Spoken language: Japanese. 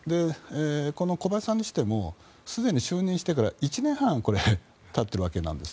小林さんにしてもすでに就任してから１年半経っているわけです。